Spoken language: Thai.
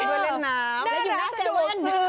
แล้วอยู่หน้าแสดงว่าซื้อ